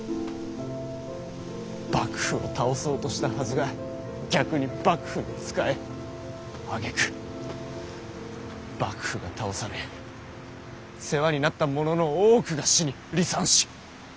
幕府を倒そうとしたはずが逆に幕府に仕えあげく幕府が倒され世話になった者の多くが死に離散し